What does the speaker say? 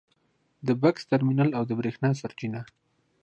د بکس ترمینل او د برېښنا سرچینه